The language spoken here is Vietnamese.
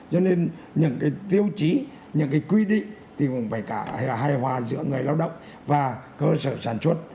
cho nên những cái tiêu chí những cái quy định thì cũng phải cả hài hòa giữa người lao động và cơ sở sản xuất